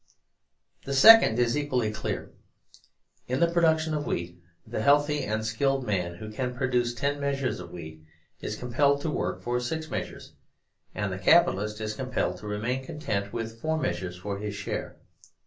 The second is equally clear. In the production of wheat the healthy and skilled man who can produce ten measures of wheat is compelled to work for six measures, and the Capitalist is compelled to remain content with four measures for his share.